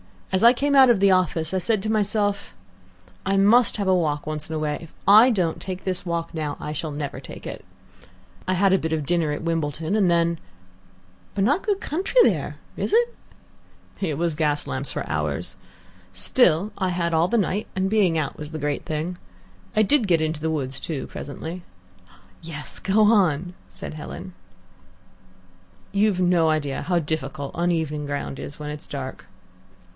As I came out of the office I said to myself, 'I must have a walk once in a way. If I don't take this walk now, I shall never take it.' I had a bit of dinner at Wimbledon, and then " "But not good country there, is it?" "It was gas lamps for hours. Still, I had all the night, and being out was the great thing. I did get into woods, too, presently." "Yes, go on," said Helen. "You've no idea how difficult uneven ground is when it's dark."